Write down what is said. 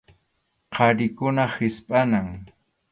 Qharikunapa hispʼanan.